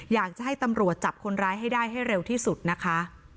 อยากจะให้ตำรวจจับคนร้ายให้ได้ให้เร็วที่สุดนะคะ